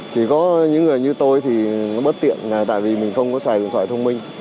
chỉ có những người như tôi thì nó bất tiện tại vì mình không có xài điện thoại thông minh